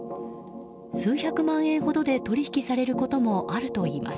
数百万円ほどで取引されることもあるといいます。